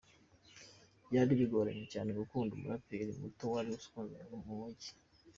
Byari bigoranye cyane gukunda umuraperi muto wari ukunzwe mu mujyi.